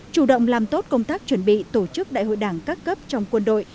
chủ động làm tốt công tác chuẩn bị tổ chức đại hội đảng các cấp trong quân đội